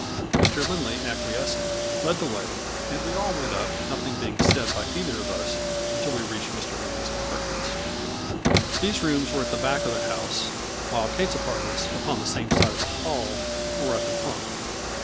Mr. Lindley acquiescing, led the way, and we all went up, nothing being said by either of us until we reached Mr. Lindley's apartments. These rooms were at the back of the house, while Kate's apartments, upon the same side of the hall, were at the front.